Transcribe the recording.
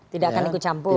tidak akan ikut campur